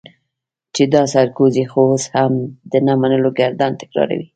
چې دا سرکوزی خو اوس هم د نه منلو ګردان تکراروي.